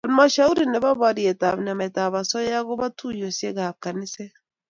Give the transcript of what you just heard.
Halmashauri nebo borietb nametab osoya kobo tuiyosiekab kaniset